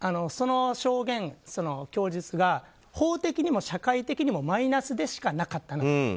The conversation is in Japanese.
その証言が法的にも社会的にもマイナスでしかなかったと。